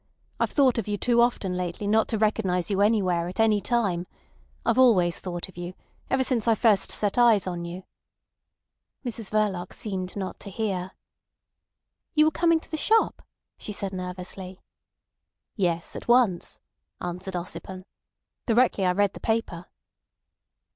I've thought of you too often lately not to recognise you anywhere, at any time. I've always thought of you—ever since I first set eyes on you." Mrs Verloc seemed not to hear. "You were coming to the shop?" she said nervously. "Yes; at once," answered Ossipon. "Directly I read the paper."